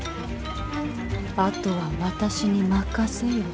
あとは私に任せよ。